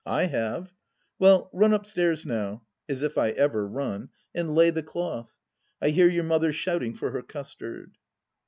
I have. Well, run upstairs now "— (As if I ever run !)—" and lay the cloth. I hear your Mother shouting for her custard."